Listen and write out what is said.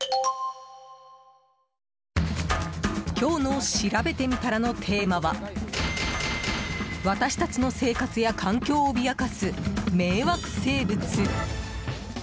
今日のしらべてみたらのテーマは私たちの生活や環境を脅かす迷惑生物！